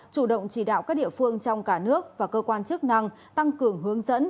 chủ động chỉ đạo các địa phương trong cả nước và cơ quan chức năng tăng cường hướng dẫn